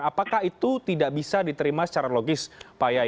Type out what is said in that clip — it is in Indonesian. apakah itu tidak bisa diterima secara logis pak yai